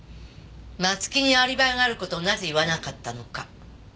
松木にアリバイがある事をなぜ言わなかったのか。